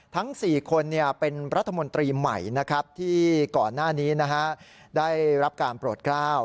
ทั้ง๔คนเป็นรัฐมนตรีใหม่นะครับที่ก่อนหน้านี้ได้รับการโปรดกล้าว